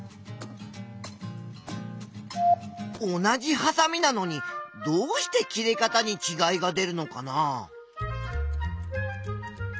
同じはさみなのにどうして切れ方にちがいが出るのかな？